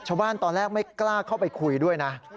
ตอนแรกไม่กล้าเข้าไปคุยด้วยนะ